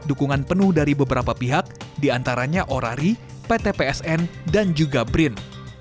dukungan penuh dari beberapa pihak diantaranya orari pt psn dan juga brin